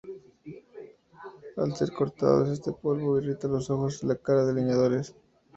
Al ser cortados este polvo irrita los ojos y la cara de los leñadores.